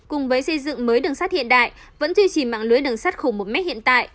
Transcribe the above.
cùng với xây dựng mới đường sắt hiện đại vẫn duy trì mạng lưới đường sắt khổ một m hiện tại